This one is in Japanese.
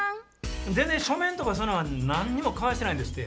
全然書面とかそういうのは何も交わしてないんですって。